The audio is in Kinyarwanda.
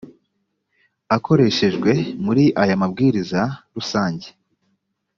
akoreshejwe muri aya mabwiriza rusange